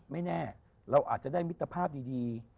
ไม่แน่เราอาจจะได้มิตรภาพดี